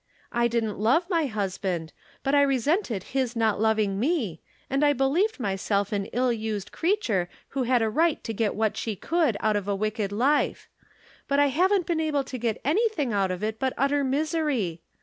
I didn't love my husband, but I resented his not loving me, and I believed myself an ill used creature, who had a right to get what she could out of a wicked life ; but I hauen't been able to get anything out of it but utter misery.